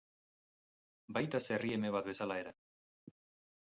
Baita zerri eme bat bezala ere.